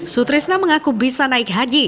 sutrisna mengaku bisa naik haji